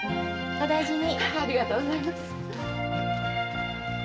お大事に。